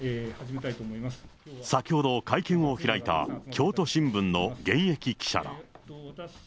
先ほど会見を開いた京都新聞の現役記者ら。